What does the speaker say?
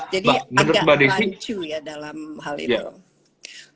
jadi agak lancu ya dalam hal itu